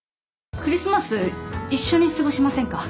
クリスマス一緒に過ごしませんか？